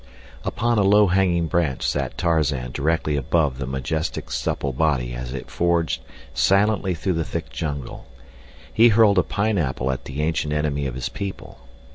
Upon a low hanging branch sat Tarzan directly above the majestic, supple body as it forged silently through the thick jungle. He hurled a pineapple at the ancient enemy of his people.